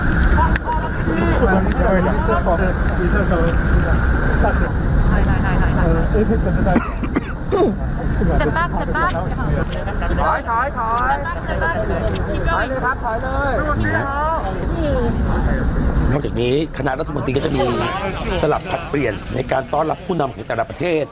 นอกจากนี้คณะรัฐมนตรีก็จะมีสลับผลัดเปลี่ยนในการต้อนรับผู้นำของแต่ละประเทศ